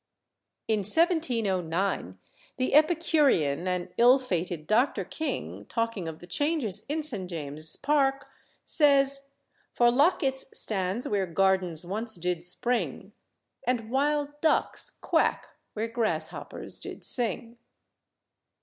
In 1709 the epicurean and ill fated Dr. King, talking of the changes in St. James's Park, says "For Locket's stands where gardens once did spring, And wild ducks quack where grasshoppers did sing."